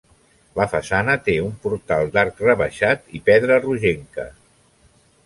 La façana té un portal d'arc rebaixat i pedra rogenca.